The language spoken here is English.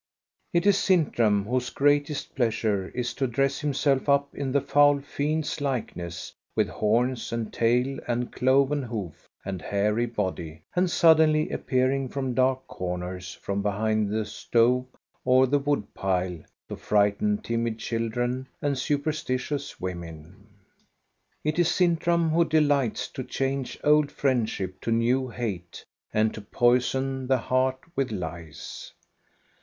It is Sintram whose greatest pleasure is to dress himself up in the foul fiend's likeness, with horns, and tail, and cloven hoof, and hairy body, and sud denly appearing from dark comers, from behind the stove or the wood pile, to frighten timid children, and superstitious women. It is Sintram who delights to change old friend ship to new hate, and to poison the heart with lies.